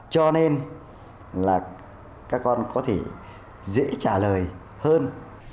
cho nên là các con có thể dễ trả lời hơn